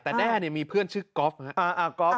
แต่แด่มีเพื่อนชื่อกอล์ฟนะครับ